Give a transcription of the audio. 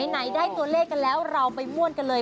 ไหนได้ตัวเลขกันแล้วเราไปม่วนกันเลย